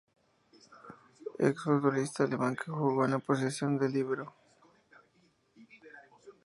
Ex-futbolista alemán que jugó en la posición de líbero.